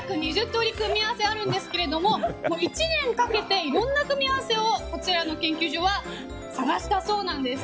３２０通り組み合わせがあるんですけど１年かけていろんな組み合わせをこちらの研究所は探したそうなんです。